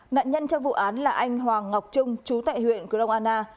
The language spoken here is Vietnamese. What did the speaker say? nạn nhân trong vụ án là anh hoàng ngọc trung chú tại huyện cửu đông anna